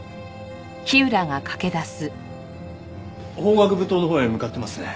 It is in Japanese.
法学部棟のほうへ向かってますね。